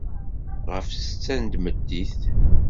Ɣef ssetta n tmeddit.